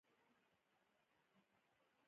هغه د خپل خوب لپاره مالونه پریږدي.